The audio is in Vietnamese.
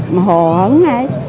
mà hồ hấn đấy